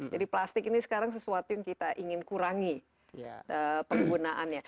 jadi plastik ini sekarang sesuatu yang kita ingin kurangi penggunaannya